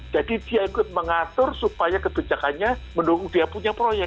jadi dia ikut mengatur supaya kebijakannya mendukung dia punya proyek